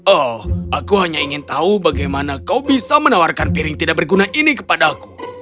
oh aku hanya ingin tahu bagaimana kau bisa menawarkan piring tidak berguna ini kepadaku